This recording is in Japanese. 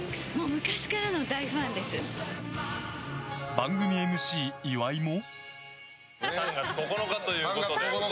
番組ＭＣ岩井も。